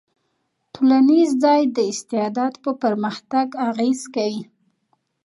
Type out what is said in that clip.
ټولنیز ځای د استعداد په پرمختګ اغېز کوي.